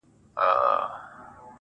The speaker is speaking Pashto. مه کوه گمان د ليوني گلي